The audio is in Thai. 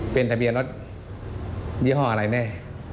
เป็นทะเบียนรถยี่ห้ออะไรแม่